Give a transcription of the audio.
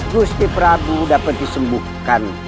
gusti prabu dapat disembuhkan